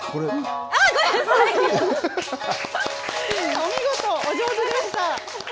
お見事、お上手でした。